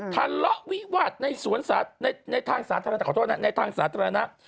ถาระวิวัติในทางศาสตรานะ